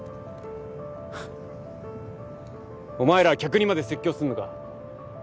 お前らは客にまで説教するのか？